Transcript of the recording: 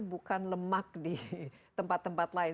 bukan lemak di tempat tempat lain